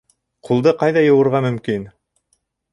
Ҡулды ҡайҙа йыуырға мөмкин?